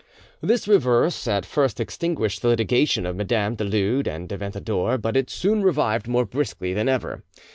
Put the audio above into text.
This reverse at first extinguished the litigation of Mesdames du Lude and de Ventadour, but it soon revived more briskly than ever.